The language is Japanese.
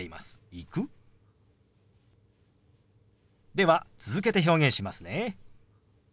では続けて表現しますね。